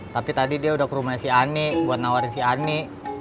tapi tadi dia udah ke rumah si ani buat nawarin si ani